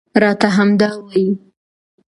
راته همدا وايي